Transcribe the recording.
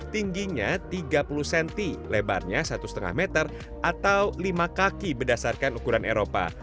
tingginya tiga puluh cm lebarnya satu lima meter atau lima kaki berdasarkan ukuran eropa